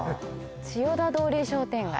千代田通り商店街。